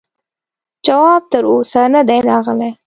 جواب تر اوسه نه دی راغلی.